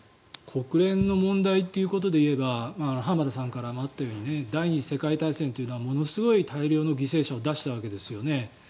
国連の問題ということで言えば浜田さんからもあったように第２次世界大戦というのはものすごい大量の犠牲者を出したわけですよね。